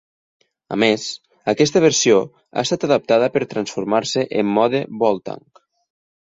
A més, aquesta versió ha estat adaptada per transformar-se en mode Voltank.